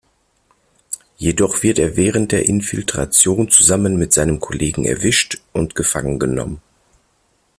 Jedoch wird er während der Infiltration zusammen mit seinem Kollegen erwischt und gefangen genommen.